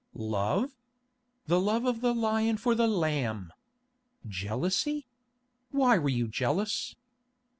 "Love? The love of the lion for the lamb! Jealousy? Why were you jealous?